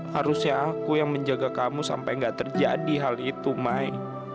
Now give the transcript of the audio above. harusnya aku yang menjaga kamu sampai gak terjadi hal itu mai